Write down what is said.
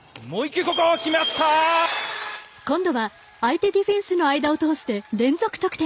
今度は相手ディフェンスの間を通して連続得点。